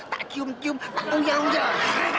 tak kium kium tak uyang ujang